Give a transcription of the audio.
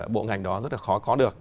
bộ ngành đó rất là khó có được